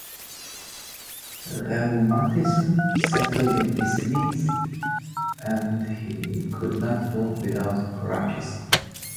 Rheumatism settled in his knees, and he could not walk without crutches.